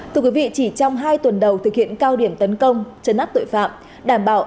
thưa quý vị chỉ trong hai tuần đầu thực hiện cao điểm tấn công chấn áp tội phạm